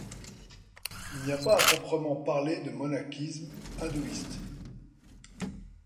Il n'y a pas à proprement parler de monachisme hindouiste.